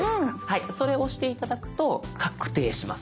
はいそれを押して頂くと確定します。